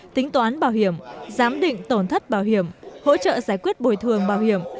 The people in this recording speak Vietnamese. tính toán bảo hiểm giám định tổn thất bảo hiểm hỗ trợ giải quyết bồi thường bảo hiểm